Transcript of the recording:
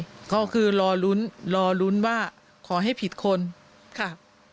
ก็คือรอลุ้นรอลุ้นว่าขอให้ผิดคนค่ะ